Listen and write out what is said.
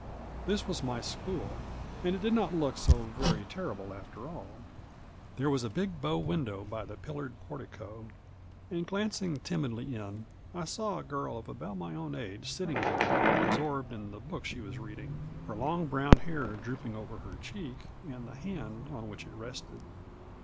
This was my school, and it did not look so very ter rible after all. There was a big bow window by the pillared portico, and, glancing timidly in, I saw a girl of about my own age sitting there, absorbed in the book she was reading, her long brown hair drooping over her cheek and the hand on which it rested.